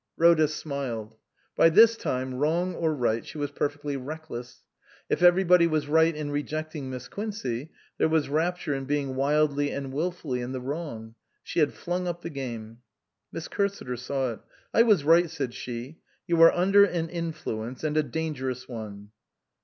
Rhoda smiled. By this time, wrong or right, she was perfectly reckless. If everybody was right in rejecting Miss Quincey, there was rapture in being wildly and wilfully in the wrong. She had flung up the game. Miss Cursiter saw it. "I was right," said she. " You are under an influence, and a dangerous one."